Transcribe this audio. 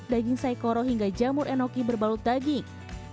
daging saikoro hingga jamur enoki berbalut daging